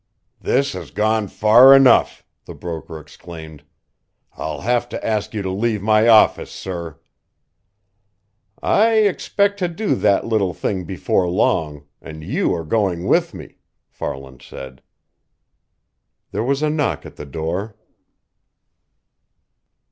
"This has gone far enough!" the broker exclaimed. "I'll have to ask you to leave my office, sir!" "I expect to do that little thing before long, and you are going with me," Farland said. There was a knock at the door.